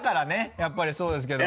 やっぱりそうですけど。